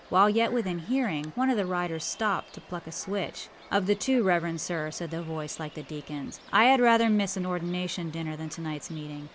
While yet within hearing, one of the riders stopped to pluck a switch. âOf the two, reverend sir,â said the voice like the deaconâs, âI had rather miss an ordination dinner than to nightâs meeting.